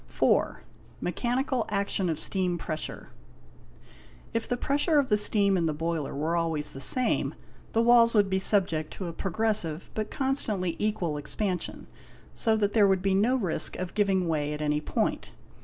_ 8. Mechanical action of steam presswe. If the pressure of the steam in the boiler were always the same, the walls would be subject to — ADMISSIBLE THEORIES : 867 a progressive but constantly equal expansion, so that there would be no risk of giving way at any point.